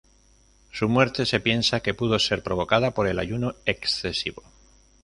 Su muerte se piensa que pudo ser provocada por el ayuno excesivo.